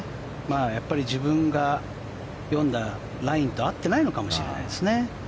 やっぱり自分が読んだラインと合ってないのかもしれないですね。